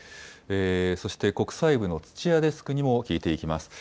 そして国際部の土屋デスクにも聞いていきます。